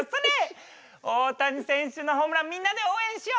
大谷選手のホームランみんなで応援しよう！